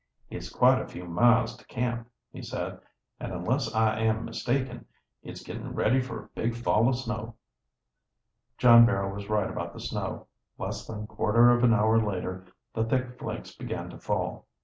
"It's quite a few miles to camp," he said. "And, unless I am mistaken, it's getting ready for a big fall o' snow." John Barrow was right about the snow. Less than quarter of an hour later the thick flakes began to fall.